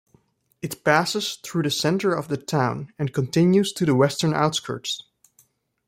It passes through the centre of the town and continues to the western outskirts.